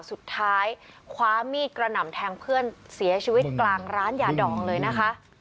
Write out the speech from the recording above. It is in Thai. สุดท้ายคว้ามีดกระหน่ำแทงเพื่อนเสียชีวิตกลางร้านยาดองเลยนะคะ